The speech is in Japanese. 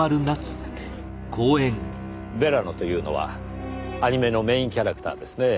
ヴェラノというのはアニメのメーンキャラクターですねぇ。